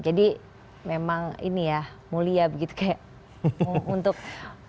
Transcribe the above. jadi memang ini ya mulia begitu kayak untuk membantu indonesia